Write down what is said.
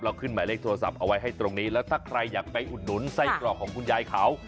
ขึ้นหมายเลขโทรศัพท์เอาไว้ให้ตรงนี้แล้วถ้าใครอยากไปอุดหนุนไส้กรอกของคุณยายเขา